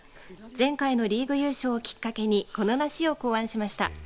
前回のリーグ優勝をきっかけにこの梨を考案しました。